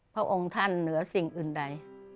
พระองค์ท่านเหนือสิ่งอื่นใด